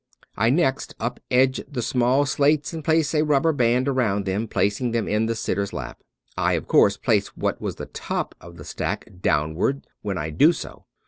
I next up edge the small slates and place a rubber band around them placing them in the sitter's lap. I, of course, place what was the top of the stack downward when I do so.